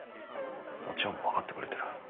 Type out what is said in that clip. お千代も分かってくれてる。